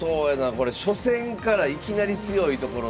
これ初戦からいきなり強いところと。